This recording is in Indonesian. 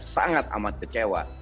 sangat amat kecewa